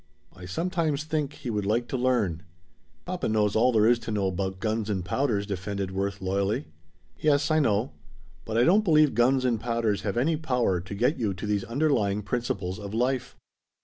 "I sometimes think he would like to learn." "Papa knows all there is to know 'bout guns and powders," defended Worth loyally. "Yes, I know; but I don't believe guns and powders have any power to get you to these underlying principles of life."